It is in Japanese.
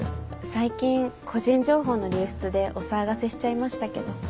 最近個人情報の流出でお騒がせしちゃいましたけど。